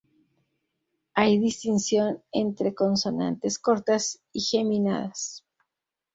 Hay distinción entre consonantes cortas y geminadas.